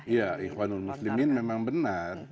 iya ikhwanul muslimin memang benar